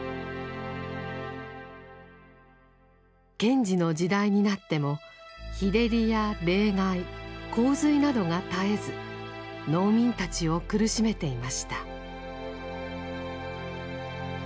賢治の時代になっても日照りや冷害洪水などが絶えず農民たちを苦しめていました。